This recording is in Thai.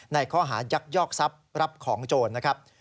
ในข้อหายักยอกทรัพย์รับของโจรนะครับ